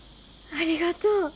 ありがとう。